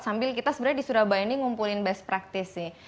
sambil kita sebenarnya di surabaya ini ngumpulin best practice nih